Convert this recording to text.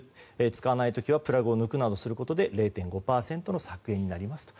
使わない時はプラグを抜くなどすることで０．５％の削減になりますと。